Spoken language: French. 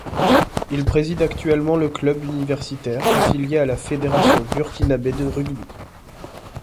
Il préside actuellement le club universitaire affilié à la fédération burkinabé de rugby.